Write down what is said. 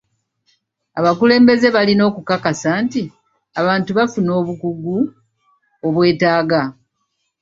Abakulembeze balina okukakasa nti abantu bafuna obukugu obwetaaga.